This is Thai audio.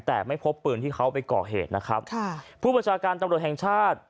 แต่ไม่พบปืนที่เขาไปก่อเหตุนะครับค่ะผู้ประชาการตำรวจแห่งชาติ